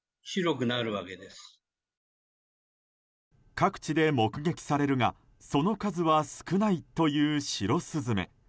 各地で目撃されるがその数は少ないという白スズメ。